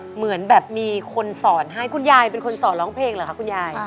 เหมือนแบบมีคนสอนให้คุณยายเป็นคนสอนร้องเพลงเหรอคะคุณยาย